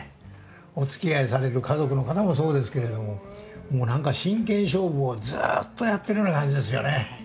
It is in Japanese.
おつきあいされる家族の方もそうですけれども何か真剣勝負をずっとやってるような感じですよね。